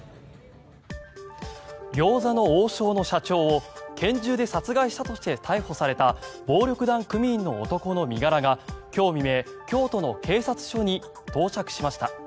餃子の王将の社長を拳銃で殺害したとして逮捕された暴力団組員の男の身柄が今日未明、京都の警察署に到着しました。